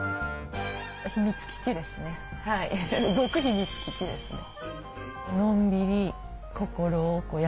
秘密基地ですね。